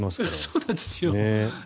そうなんですよ。